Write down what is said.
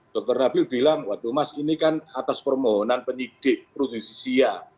dokter nabil bilang waduh mas ini kan atas permohonan penyidik prudensia